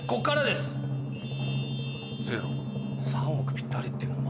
ぴったりっていうのも。